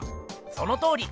そのとおり！